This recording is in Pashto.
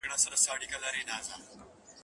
لوبغاړي او ټیمونه باید وهڅول شي.